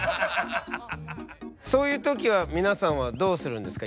そういう時は皆さんはどうするんですか？